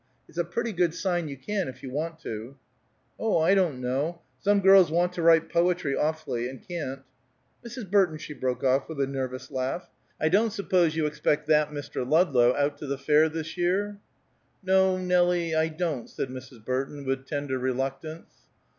It's a pretty good sign you can, if you want to." "Oh, I don't know. Some girls want to write poetry awfully, and can't. Mrs. Burton," she broke off, with a nervous laugh, "I don't suppose you expect that Mr. Ludlow out to the fair this year?" "No, Nelie, I don't," said Mrs. Burton, with tender reluctance.